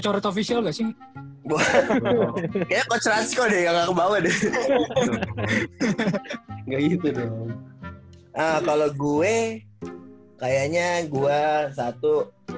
official gak sih ya coach ransko yang gak kebawa deh gak gitu dong kalo gue kayaknya gua satu